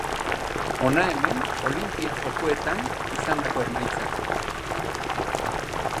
Hona hemen Olinpiar Jokoetan izandako emaitzak.